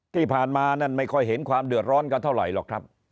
ที่ผ่านมานั่นไม่ค่อยเห็นความเดือดร้อนกันเท่าไหร่หรอกครับ